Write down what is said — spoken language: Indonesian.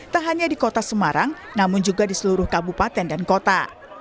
tak hanya di kota semarang namun juga di seluruh kabupaten dan kota